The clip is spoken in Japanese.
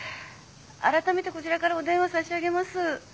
あらためてこちらからお電話差し上げます。